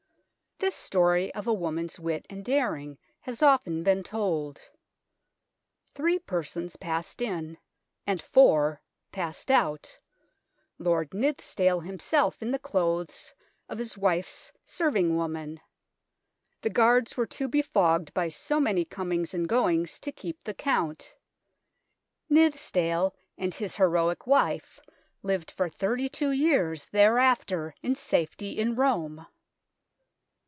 This story ofsa woman's wit and daring has often been told ; three persons passed in and four passed out, Lord Nithsdale himself in the clothes of his wife's serving woman. The guards were too befogged by so many comings and goings to keep the count. Nithsdale and his heroic wife lived for thirty two years thereafter in safety in Rome.